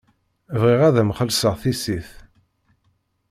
Bɣiɣ ad m-xellṣeɣ tissit.